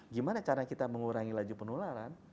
gimana cara kita mengurangi laju penularan